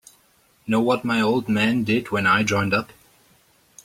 Know what my old man did when I joined up?